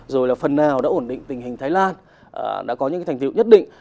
rồi là phần nào đã ổn định tình hình thái lan đã có những thành tiệu nhất định